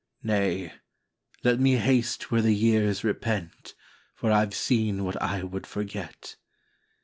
" Nay, let me haste where the years repent, For I ve seen what I would forget."